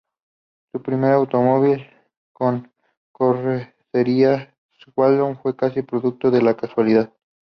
El primer automóvil con carrocería Swallow fue casi producto de la casualidad.